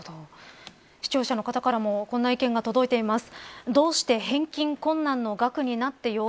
視聴者の方からもこんな意見が届いています。